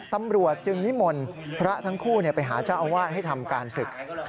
ตำรวจจึงนิมนต์พระทั้งคู่ไปหาเจ้าอาวาสให้ทำการศึก